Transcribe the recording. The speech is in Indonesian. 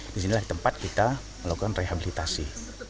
disinilah tempat kita melakukan rehabilitasi